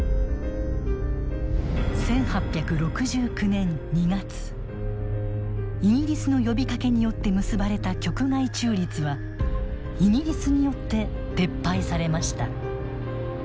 １８６９年２月イギリスの呼びかけによって結ばれた局外中立はイギリスによって撤廃されました。